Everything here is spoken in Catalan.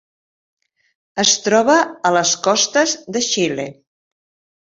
Es troba a les costes de Xile.